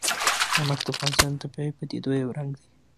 نمک د افغانستان د طبیعي پدیدو یو رنګ دی.